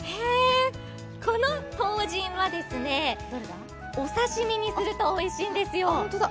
このトウジンはお刺身にするとおいしいんですよ。